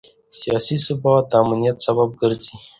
سیاسي ثبات د امنیت سبب ګرځي